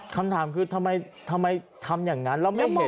คำถามคือทำไมทำอย่างนั้นแล้วไม่เห็น